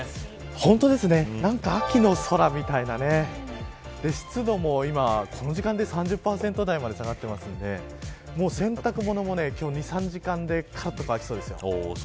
なんか秋の空みたいなね湿度も今、この時間で３０％台まで下がっていますので洗濯物も今日は２、３時間で乾きそうです。